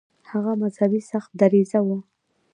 هغه مذهبي سخت دریځه و.